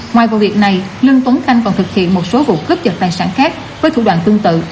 ngoài vụ việc này lương tuấn khanh còn thực hiện một số vụ cướp giật tài sản khác với thủ đoạn tương tự